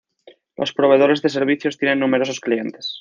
Los proveedores de servicios tienen numerosos clientes.